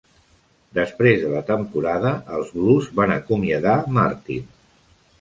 Després de la temporada, els Blues van acomiadar Martin.